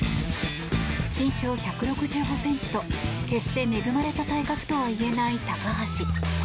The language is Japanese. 身長１６５ｃｍと決して恵まれた体格とは言えない高橋。